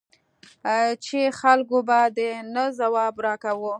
چې خلکو به د نه ځواب را کاوه.